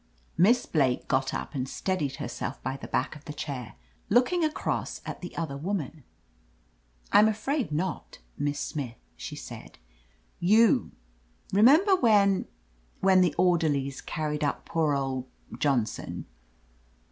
Miss Blake got up and steadied herself by the back of the chair, looking across at the other woman. "I'm afraid not, Miss Smith,'* she said. "You — remember when — ^when the orderlies carried up poor old — ^Johnson.